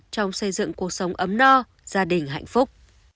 trong xây dựng cuộc sống ấm no gia đình hạnh phúc